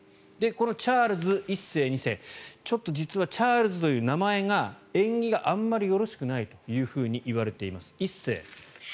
このチャールズ１世、２世ちょっと実はチャールズという名前が縁起があまりよろしくないといわれています。